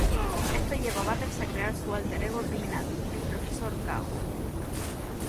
Esto lleva a Butters a crear su álter ego criminal, El Profesor Caos.